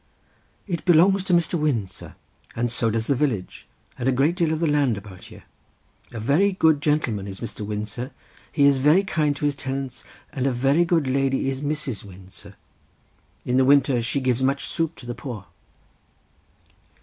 "It belongs to Mr. Wynn, sir, and so does the village and a great deal of the land about here. A very good gentleman is Mr. Wynn, sir; he is very kind to his tenants and a very good lady is Mrs. Wynn, sir; in the winter she gives much soup to the poor."